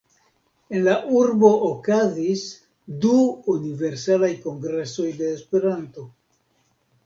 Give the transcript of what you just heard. En la urbo okazis du Universalaj Kongresoj de Esperanto.